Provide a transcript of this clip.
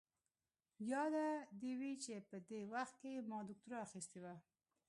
ياده دې وي چې په دې وخت کې ما دوکتورا اخيستې وه.